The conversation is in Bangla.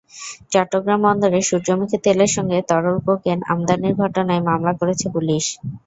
চট্টগ্রাম বন্দরে সূর্যমুখী তেলের সঙ্গে তরল কোকেন আমদানির ঘটনায় মামলা করেছে পুলিশ।